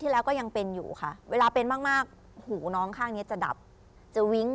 แล้วอย่างนี้เมื่อตั้งแต่อายุเท่าไหร่